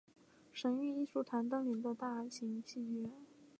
神韵艺术团登临的大型戏剧院。